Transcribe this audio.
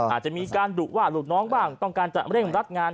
อาจจะมีการดุว่าลูกน้องบ้างต้องการจะเร่งรัดงาน